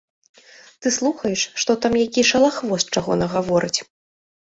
Ты слухаеш, што там які шалахвост чаго нагаворыць.